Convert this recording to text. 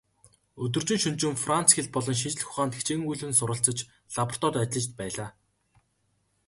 Өдөржин шөнөжин Франц хэл болон шинжлэх ухаанд хичээнгүйлэн суралцаж, лабораторид ажиллаж байлаа.